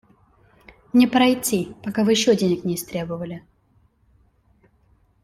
Мне пора идти, пока вы еще денег не истребовали.